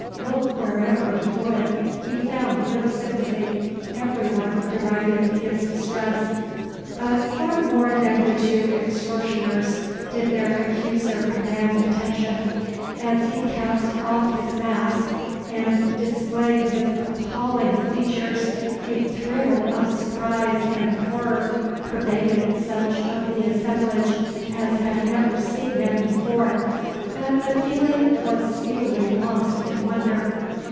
Look wherever he would, he found no sympathy: every one derided his distress. But far more than the two extortioners did their accuser command attention. As he cast off his mask and displayed his appalling features, a thrill of surprise and horror pervaded such of the assemblage as had never seen them before. But the feeling was speedily lost in wonder.